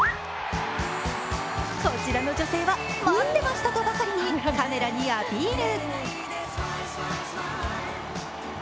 こちらの女性は待ってましたとばかりにカメラにアピール。